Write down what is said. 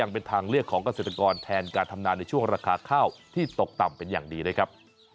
เป็นทางเลือกของเกษตรกรแทนการทำนาในช่วงราคาข้าวที่ตกต่ำเป็นอย่างดีนะครับ